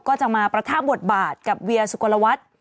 ก็จะมาประทับบทบาทกับเวียสุกลวัฒน์